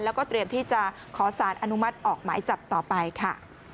แล้วก็เตรียมที่จะขอสารอนุมัติออกหมายจับต่อไปค่ะ